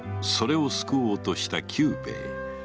それを救おうとした久兵衛